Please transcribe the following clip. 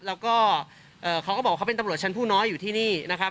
แล้วก็เขาก็บอกว่าเขาเป็นตำรวจชั้นผู้น้อยอยู่ที่นี่นะครับ